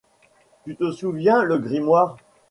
Tu te souviens le grimoire ?